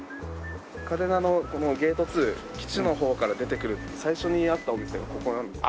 嘉手納のこのゲート２基地の方から出てくると最初にあったお店がここなんですね。